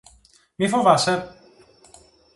Μη φοβάσαι!